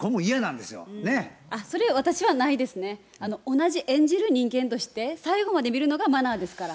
同じ演じる人間として最後まで見るのがマナーですから。